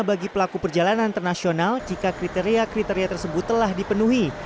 bagi pelaku perjalanan internasional jika kriteria kriteria tersebut telah dipenuhi